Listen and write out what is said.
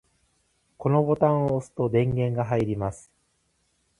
このボタンを押すと電源が入ります。